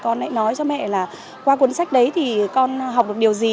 con nói cho mẹ là qua cuốn sách đấy thì con học được điều gì